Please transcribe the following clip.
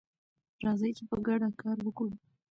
راځئ چې په ګډه کار وکړو.